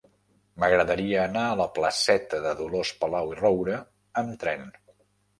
M'agradaria anar a la placeta de Dolors Palau i Roura amb tren.